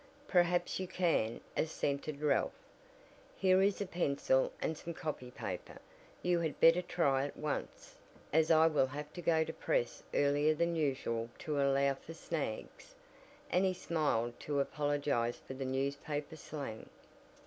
"Perhaps you can," assented Ralph. "Here is a pencil and some copy paper. You had better try at once, as I will have to go to press earlier than usual to allow for 'snags,'" and he smiled to apologize for the newspaper slang.